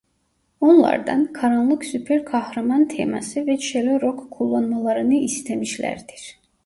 Onlardan "karanlık süper kahraman teması" ve "çello-rock" kullanmalarını istemişlerdir.